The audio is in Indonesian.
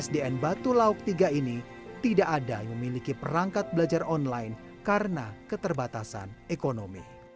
sdn batu lauk tiga ini tidak ada yang memiliki perangkat belajar online karena keterbatasan ekonomi